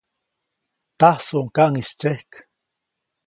Tajsuʼuŋ kaŋʼis tsyejk.